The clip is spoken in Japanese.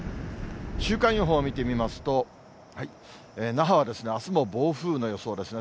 週間予報見てみますと、那覇はあすも暴風雨の予想ですね。